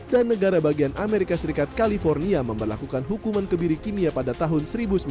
dan negara bagian amerika serikat california memperlakukan hukuman kebiri kimia pada tahun seribu sembilan ratus sembilan puluh enam